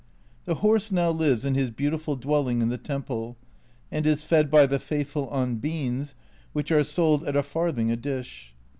The horse now lives in his beautiful dwelling in the temple, and is fed by the faithful on beans, which are sold at a farthing a dish.